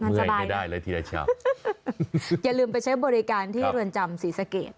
เมื่อยไม่ได้เลยทีละเช้าอย่าลืมไปใช้บริการที่เรือนจำศรีสเกต